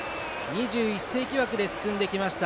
２１世紀枠で進んできました